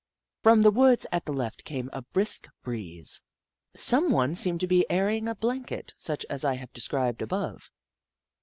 From the woods at the left came a brisk breeze. Someone seemed to be airing a blanket such as I have described above.